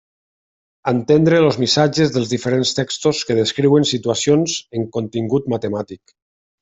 Entendre els missatges dels diferents textos que descriuen situacions amb contingut matemàtic.